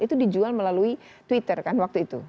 itu dijual melalui twitter kan waktu itu